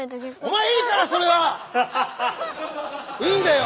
いいんだよ